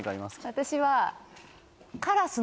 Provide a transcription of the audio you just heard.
私は。